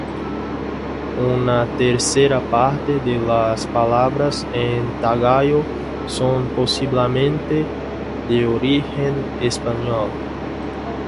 Una tercera parte de las palabras en tagalo son posiblemente de origen español.